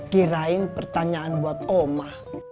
kirain pertanyaan buat oma